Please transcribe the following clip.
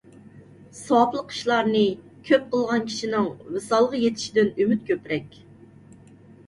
ساۋابلىق ئىشلارنى كۆپ قىلغان كىشىنىڭ ۋىسالغا يېتىشىدىن ئۈمىد كۆپرەك.